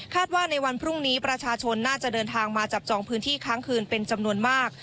ว่าในวันพรุ่งนี้ประชาชนน่าจะเดินทางมาจับจองพื้นที่ค้างคืนเป็นจำนวนมาก